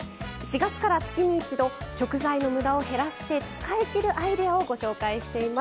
４月から月に一度食材のむだを減らして使いきるアイデアをご紹介しています。